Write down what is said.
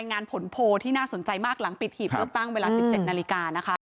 น่าสนใจมากหลังปิดหีบลูกตั้งเวลา๑๗นาฬิกานะคะ